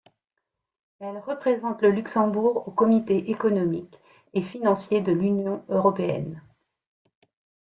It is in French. Elle représente le Luxembourg au comité économique et financier de l'Union européenne.